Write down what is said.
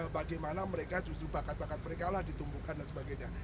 bagaimana mereka justru bakat bakat mereka lah ditumbuhkan dan sebagainya